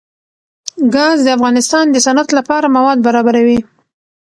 ګاز د افغانستان د صنعت لپاره مواد برابروي.